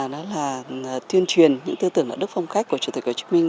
đó là tuyên truyền những tư tưởng đạo đức phong cách của chủ tịch hồ chí minh